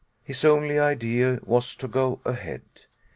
His only idea was to go ahead.